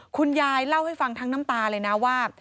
คุณยายเล่าให้ฟังทั้งน้ำตาเลยนะว่า